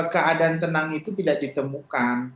keadaan tenang itu tidak ditemukan